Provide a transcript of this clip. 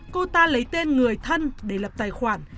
cô ta lấy tên người thân để lập tài khoản